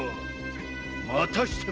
またしても。